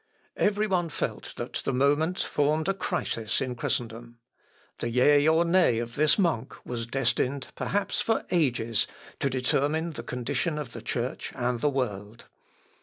Every one felt that the moment formed a crisis in Christendom. The yea or nay of this monk was destined, perhaps for ages, to determine the condition of the Church and the world.